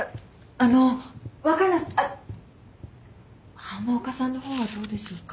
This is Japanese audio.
あの若菜あっ浜岡さんの方はどうでしょうか？